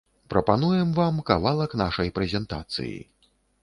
Прапануем вам кавалак нашай прэзентацыі.